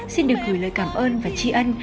xin được gửi lời cảm ơn và tri ân